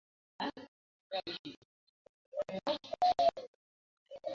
জড়ভূতকে ভালবাসিলে জড়ভূতেই আবদ্ধ হইয়া থাকিতে হইবে।